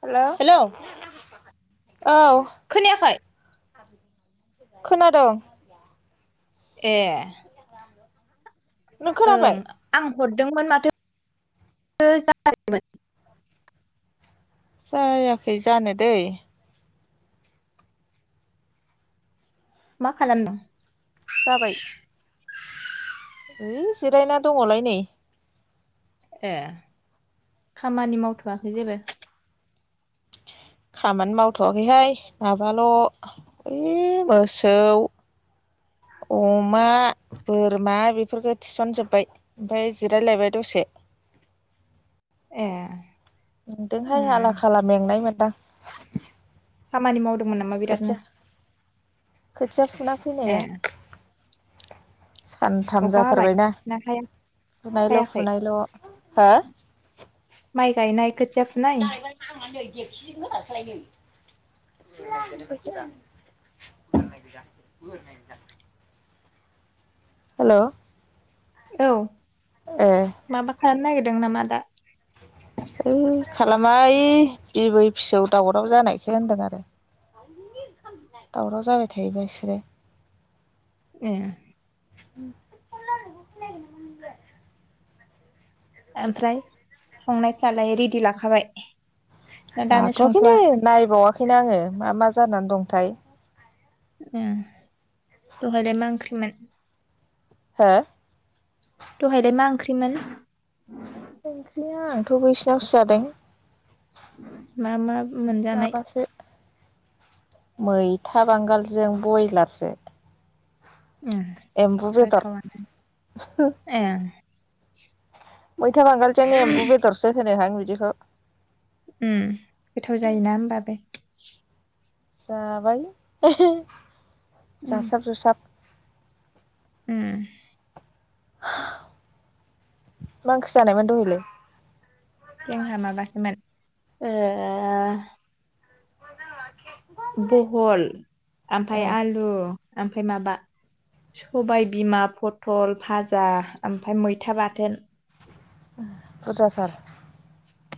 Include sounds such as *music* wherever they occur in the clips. हेल। Hello औ खोनायाखै। खोनादोंं। ए। नों ओं खोनाबाय? आं। *inaudible* जायाखै जानो दै। मा खालामदों। जाबाय। ओइ जिरायना दङलाय नै। ए खामानि मावथ'वखै जेबो। खामानि मावथ'वाखैहाय माबाल' ओइ मोसौ। *inaudible* अमा, बोरमा बेफोरखौ थिसनजोबबाय ओमफ्राय जिरायलायबाय दसे। ए। नदोंहाय उम आला खाला मेंनाय मोनदां। खामानि माव। खोथिया खोथिया फुना ए फैनाया सानथाम अखा हाबाय जाथारबायना। ना हाया फुनायनायल' हायाखै फुनायल' हो। माइ गायनाय। खोथिया फुनाय *inaudible* *inaudible* हेलौ। औ माबा खालामनो नागिरदों नामा दा। ओइ खालामा ओ बिबै फिसौ दावराव जानायखौ होनदों आरो। दावराव जाबाय थायो बेसोरो। ए। *inaudible* ओमफ्राय संनायफ्रालाय रेडि लाखाबाय। ना दानो लाथवाखोय नो संथ'वा नायबावाखैनो आङो मा मा जानानै दंथाय। दहायलाय मा ओंख्रिमोन। हो। दहायलाय मा ओंख्रिमोन। ओंख्रिया आंथ' बैसिनावसो जादों। मा मा। मोनजानाय माबासो। मैथा बांगालजों बयलारजो। ओ गोथावानो ए। मैथा बांगालजों एम्बु बेदरसो होनोहां बिदिखौ। उम गोथाव जायोना होमबाबो। जाबाय उम जासाब जुसाब। उम। मां ओंख्रि जानायमोन दहलै? जोंहा माबासोमोन ओ *unintelligible* बहल ओमफ्राय ओ आलु ओमफ्राय माबा सबाइ बिमा पथल भाजा ओमफ्राय मैथा बाथोन बुरजा थार।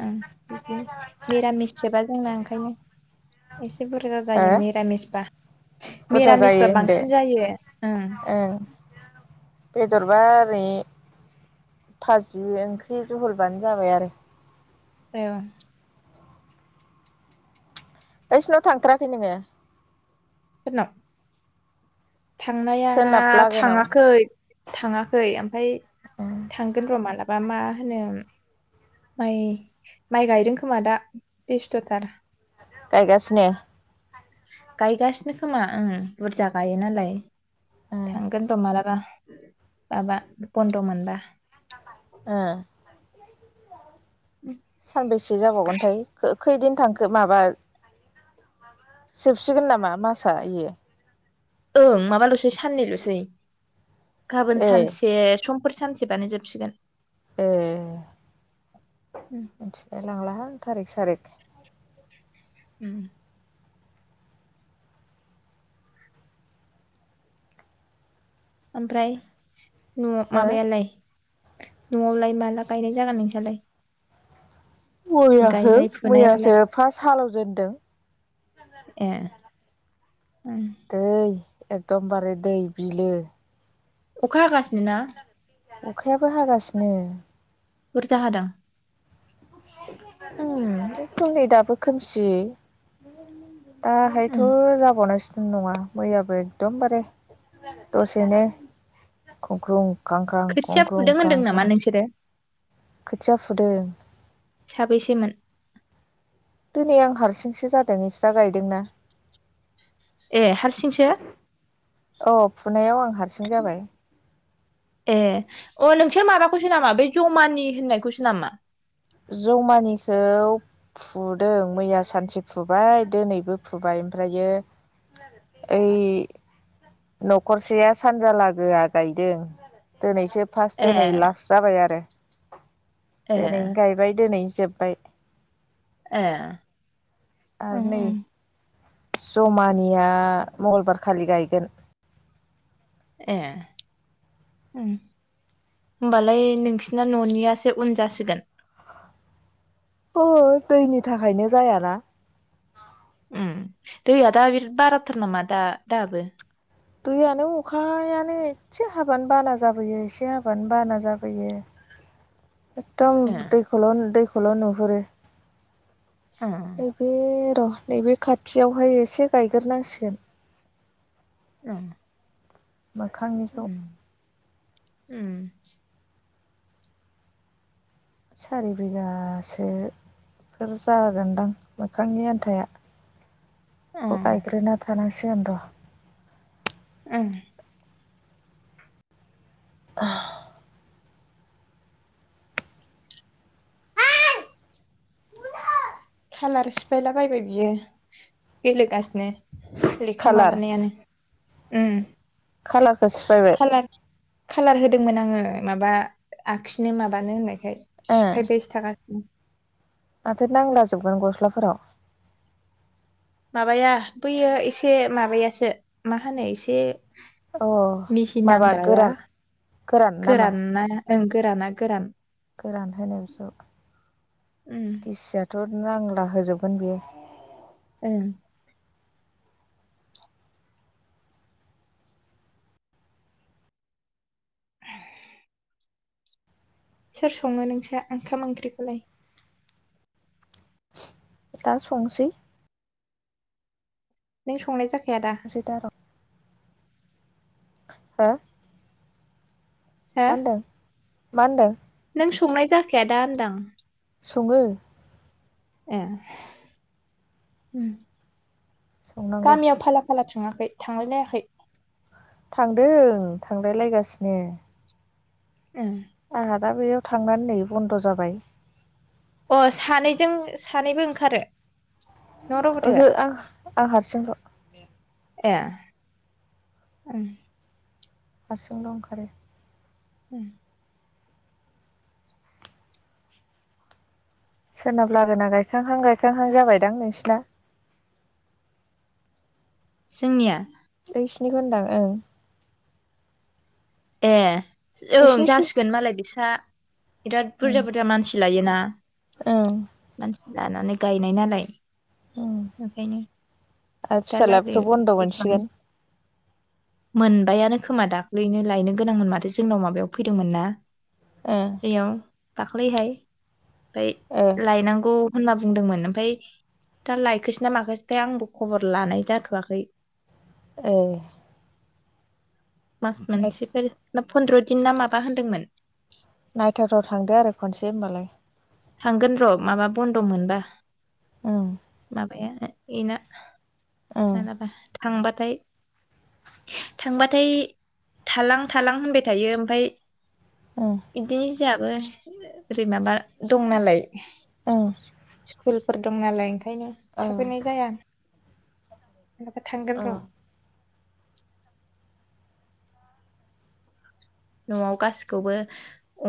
ओं बिदिनो मिरामिससोबा जोंना ओंखायनो एसे बुरजा हो जायो मिरामिसबा। बुरजा मिरामिस जायो बा होनदो बांसिन जायो उम। बेदर बारै फाजि ओंख्रि जहलबानो जाबाय आरो औ बैसिनाव थांथाराखै नोङो? सोरनाव? थांनाया सोनाब लागोनाव थाङाखै थाङाखै ओमफ्राय थांगोन र' मालाबा मा होनो उम माइ माइ गायदों खोमा दा बेस्थ'थार। गायगासिनो गायगासिनो खोमा ओं बुरजा गायो नालाय ओ थांगोन र मालाबा। माबा बन्द' मोनबा। ओ सानबेैसे जाबावगोनथाय खो खो खैदिन थांखो माबा जोबसिगोन नामा माासआ इयो? ओं माबाल'सै साननैल'सै गाबोन ए सानसे समफोर सानसेबानो जोबसिगोन। ए उम मिथिलाय लांलाहाय थारिख सारिख। उम। ओमफ्राय नु हो माबायालाय? न'आवलाय माला गायनाय जागोन नोंसोरलाय? मैया हो मैयासो फुनायालाय फार्स्ट हालेवजेनदों। ओं। दै एकदमबारे दै बिलो। अखा हागासिनो ना? अखायाबो हागासिनो। बुरजा हादों? उम *unintelligible* दाबो खोमसि दाहायथ' उम जाबावनोसो नङा मैयाबो एकदमबारे दसेनो खुग्लुं खांख्रां खोथिया खुंख्रुं फुदों होनदों नामा खांख्रां नोंसोरो खोथिया फुदों साबेैसेमोन? दिनै आं हारसिंसो जादों ओइस्रा गायदोंना। ए हारसिंसो अ फुनायाव आं हारसिं जाबाय। ए ओ नोंसोर माबाखौसो नामा बै जमानि होननायखौसो नामा? जमानिखौ फुदों मैया सानसे फुबाय दोनैबो फुबाय ओमफ्रायो ओइ न'खरसेया सानजालागोआ गायदों दिनैसो फार्स्ट ए दोनै लास्ट जाबाय आरो। ए दिनैनो गायबाय दिनैनो जोब्बाय। ए उम आरो नै उम जमानिया मंगलबार खालि गायगोन। ए उम होमबालाय नोंसिना न'नियासो उन जासिगोन। उ दैनि थाखायनो जायाना उम दैया दा बिराद बारथार नामा दा दाबो। दैयानो अखायानो एसे हाबानो बाना जाबोयो एसे हाबानो बाना जाबोयो। एकदम ए दैखौल' दैखौल' नुहरो। उम नैबे र' नैबे खाथियावहाय एसे गायग्रोनांसिगोन अ' मोखांनिखौ उम सारि बिगासो बेफोर जागोनदां मोखांनि आन्थाया। अ' आय उम गायग्रोना थानां सिगोन र'। उम *inaudible* खालार सिफायला बायबाय बियो गेलेगासिनो। लेखा माबानायानो उम खालारखो सिफायबाय। कालार होदोंमोन आङो माबा आखिनो माबानो होननायखाय ओ सिफाय बायसो थाखागा *unintelligible* माथो नांला जोबगोन गस्लाफोराव। माबाया बैयो एसे माबायासो माहोनो एसे अ मिहि माबा नांद्राया गोरान गोरान नामा गोराना ओं गोराना गोरान। गोरान होनायाव जग उम गिसियाथ' नांला होजोबगोन बियो। ओं सोर सङो नोंसा ओंखाम ओंख्रिखौलाय? दा संसै नों संनाय जाख संसै दा र'। हा हो मा होनदों? मा होनदों? नों संनाय जाखाया दा होनदां। सङो ए संनांगौ गामियाव फाला फाला थाङाखै थांलाय लायाखै। थांदों थांलायलायगासिनो। ओं आ दा बेयाव थांनानै नै बन्द' जाबाय। अ' सानैजों सानैबो ओंखारो। न' रबथाया ओहो आं आं हारसिं ल'। ए हारसिंल' ओंखारो। उम सोनाब लागोना गायखांहां गायखांहां जाबायदां नोंसिना। जोंनिया नोंसिनिखो होनदां ओं। ए ओं नोंसिनिसो जासिगोन मालाय बिसा बिराद बुरजा ओं बुरजा मानसि लायोना। ओं मानसि लानानै गायनाय नालाय। ओं ओंखायनो आरो दालागै फिसालायाबोथ' बन्द' इसिबां मोनसिगोन मोनबायानो खोमा दाख्लैनो लायनो गोनांमोन माथो जोंनाव माबायाव फैदोंमोन ना ओं ओइयाव दाख्लैहाय ओमफ्राय ओ लायनांगौ होनना बुंदोंमोन ओमफ्राय दा लायखोसै ना माखाससोथाय आंबो खबर लानाय जाथवाखै ए मास मोनसेफोर ना फन्द्र दिन ना माबा होनदोंमोन नायथाव थाव थांदो आरो खनसे होमबालाय थांगोन र माबा बन्द मोनबा ओम एना एना ओं मालाबा थांबाथाय थांबाथाय थालां थालां होनबाय थायो ओमफ्राय ओं बिदि जोंहाबो ओरै माबा दं नालाय औ स्कुलफोर दं नालाय ओंखायनो थाफैनाय जाया मालाबा थांगोन र नआव गासिखौबो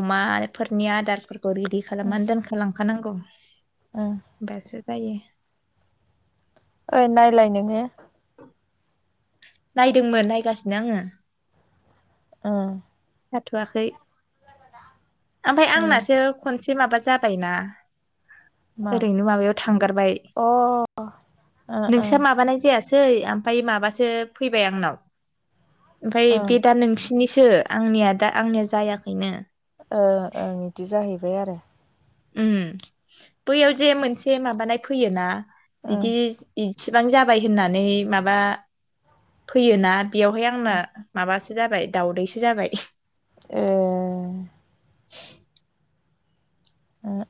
अमाफोरनि आदारफोरखौ रेडि ओं खालामनानै दोनखालां खानांगौ ओं होनबासो जायो ओइ नायलाय नोंङो नायदोंमोन नायगासिनो आङो ओ जाथवाखै ओमफ्राय ओं आंनासो खनसे माबा जाबायना मा ओरैनो माबायाव थांगारबाय अ ओं ओं नोंस्रा माबानाय जाया सै ओमफ्राय माबासो फैबाय आंनाव ओमफ्राय ओं बे दा नोंसिनिसो आंनिया दा आंनिया जायाखैनो ओ ओ बिदि जाहैबाय आरो उम बैयाव जे मोनसे माबानाय फैयोना ओं बिदि इसेबां जाबाय होननानै माबा फैयोना बेयावहाय आंना माबा जाबाय दाावदैसो जाबाय ए ओ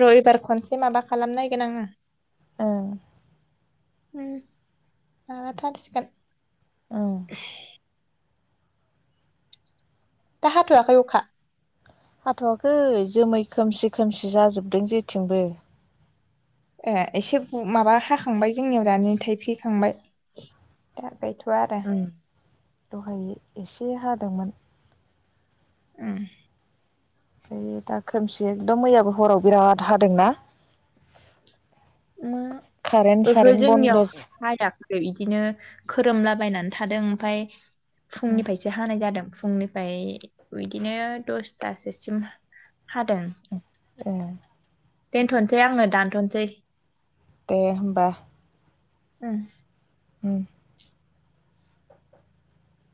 र एबार खनसे माबा खालाम नायगोन आङो ओं उम आङा थासिखार ओं दाहाथवाखै अखा हाथवाखै जोमै खोमसि खोमसि जाजोबदों जेथिंबो ए एसे माबा हाखांबाय जोंनियाव दानि थाइफ्रिखांबाय दा गैथ'वा आरो औ दहाय एसे हादोंमोन उम ओमफ्राय दा खोमसि एखदम मैयाबो हराव बिराद हादोंना उम कारेन्ट ओहो सारेन्ट जोंनियाव बन्द' हाया खै बिदिनो खोरोमलाबायनानै थादों ओमफ्राय फुंनिफ्रायसो हानाय जादों फुंनिफ्राय बिदिनो दसथासोसिम हादों ए दोनथनोसै आंनो दानथनोसै दे होनबा उम उम